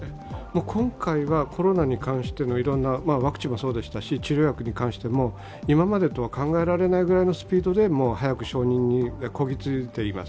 今回はコロナに関しての、ワクチンもそうでしたし治療薬に関しても、今までとは考えられないぐらいのスピードで早く承認にこぎついています。